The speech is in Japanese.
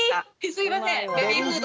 すいません